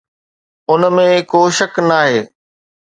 ان ۾ ڪو شڪ ناهي.